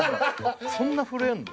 そんな震えんの？